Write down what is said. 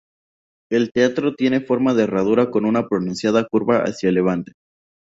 El teatro tiene forma de herradura con una pronunciada curva hacia levante.